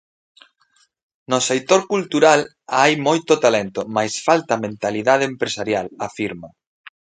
No sector cultural hai moito talento mais falta mentalidade empresarial, afirma.